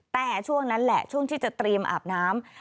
แต่ช่วงนั้นแหละช่วงที่จะเตรียมอาบน้ำ